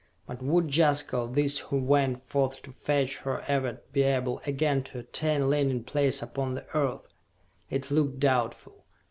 But would Jaska or these who went forth to fetch her ever be able again to attain landing place upon the Earth! It looked doubtful.